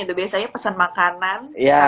itu biasanya pesan makanan